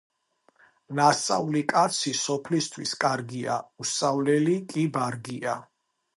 ნასწავლი კაცი სოფლისთვის კარგია, უსწავლელი კი ბარგია.